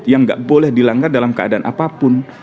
yang gak boleh dilanggar dalam keadaan apapun